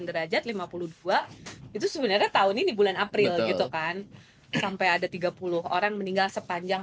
derajat lima puluh dua itu sebenarnya tahun ini bulan april gitu kan sampai ada tiga puluh orang meninggal sepanjang